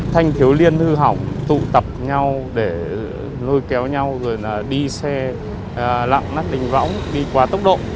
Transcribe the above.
thanh thiếu liên hư hỏng tụ tập nhau để lôi kéo nhau rồi đi xe lặng nát đình võng đi qua tốc độ